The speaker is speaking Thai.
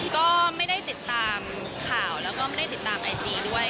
ก็ไม่ได้ติดตามข่าวแล้วก็ไม่ได้ติดตามไอจีด้วย